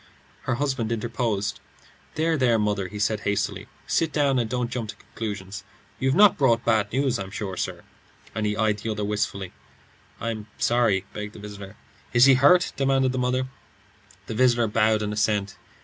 Her husband interposed. "There, there, mother," he said, hastily. "Sit down, and don't jump to conclusions. You've not brought bad news, I'm sure, sir;" and he eyed the other wistfully. "I'm sorry " began the visitor. "Is he hurt?" demanded the mother, wildly. The visitor bowed in assent.